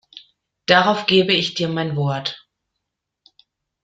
Darauf gebe ich dir mein Wort.